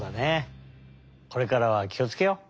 これからはきをつけよう！